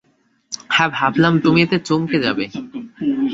হ্যাঁ, ভাবলাম এতে তুমি চমকে যাবে।